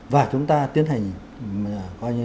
và chúng ta tiến hành